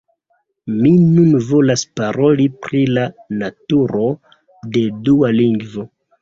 Mi nun volas paroli pri la naturo de dua lingvo.